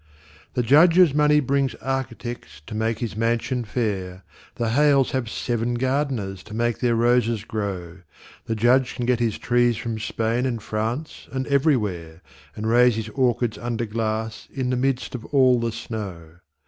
The Judge's money brings architects to make his mansion fair; The Hales have seven gardeners to make their roses grow; The Judge can get his trees from Spain and France and everywhere, And raise his orchids under glass in the midst of all the snow.